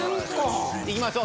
いきましょう。